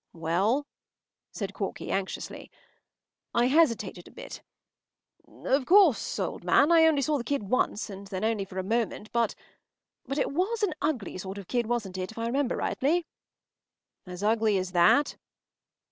“Well?” said Corky, anxiously. I hesitated a bit. “Of course, old man, I only saw the kid once, and then only for a moment, but—but it was an ugly sort of kid, wasn’t it, if I remember rightly?” “As ugly as that?